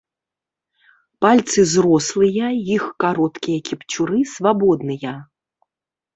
Пальцы зрослыя, іх кароткія кіпцюры свабодныя.